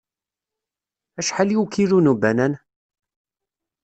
Acḥal i ukilu n ubanan?